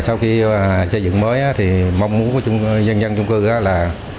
sau khi xây dựng mới thì mong muốn của dân dân chung cư là